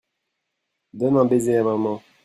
donne un baiser à mamam.